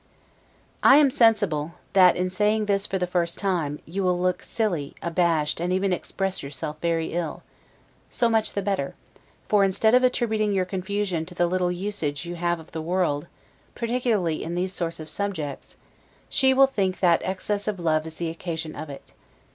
I am sensible, that in saying this for the first time, you will look silly, abashed, and even express yourself very ill. So much the better; for, instead of attributing your confusion to the little usage you have of the world, particularly in these sort of subjects, she will think that excess of love is the occasion of it.